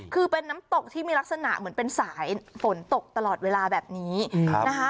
คือเป็นน้ำตกที่มีลักษณะเหมือนเป็นสายฝนตกตลอดเวลาแบบนี้นะคะ